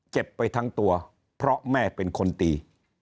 เจ็บไปทั้งตัวเพราะแม่เป็นคนตี